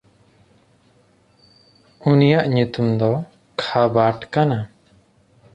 ᱩᱱᱤᱭᱟᱜ ᱧᱩᱛᱩᱢ ᱫᱚ ᱠᱷᱟᱵᱟᱴ ᱠᱟᱱᱟ᱾